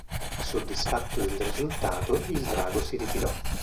Soddisfatto del risultato, il drago si ritirò.